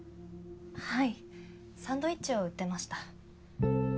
はいサンドイッチを売ってました。